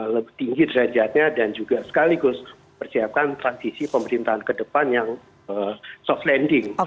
lebih tinggi derajatnya dan juga sekaligus persiapkan transisi pemerintahan ke depan yang soft landing